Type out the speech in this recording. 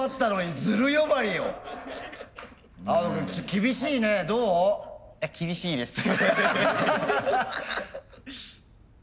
厳しいです。